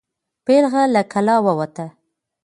پیغله له کلا ووته.